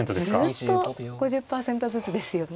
ずっと５０％ずつですよね。